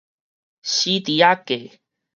死豬仔價